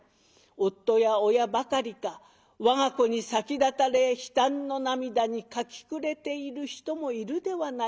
夫や親ばかりか我が子に先立たれ悲嘆の涙にかき暮れている人もいるではないか。